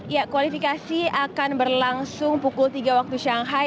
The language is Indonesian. ya kualifikasi akan berlangsung pukul tiga waktu shanghai